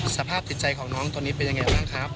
สภาพจิตใจของน้องตอนนี้เป็นยังไงบ้างครับ